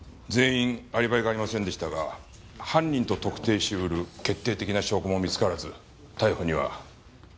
全員アリバイがありませんでしたが犯人と特定しうる決定的な証拠も見つからず逮捕には。